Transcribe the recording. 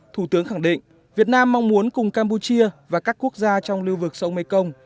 thủ tướng khẳng định việt nam mong muốn cùng campuchia và các quốc gia trong lưu vực sông mekong